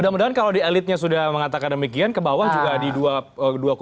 mudah mudahan kalau di elitnya sudah mengatakan demikian ke bawah juga di dua kubu ini juga adem ya